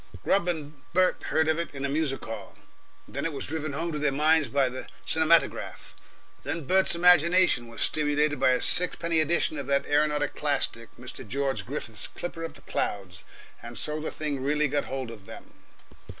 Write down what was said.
Grubb and Bert heard of it in a music hall, then it was driven home to their minds by the cinematograph, then Bert's imagination was stimulated by a sixpenny edition of that aeronautic classic, Mr. George Griffith's "Clipper of the Clouds," and so the thing really got hold of them.